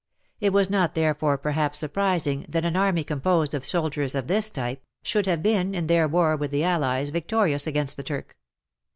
It was not therefore perhaps surprising that an army composed of soldiers of this type, should I70 WAR AND WOMEN have been, in their war with the allies, vic torious against the Turk.